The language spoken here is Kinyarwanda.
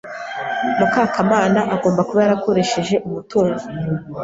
Mukakamana agomba kuba yarakoresheje umutungo.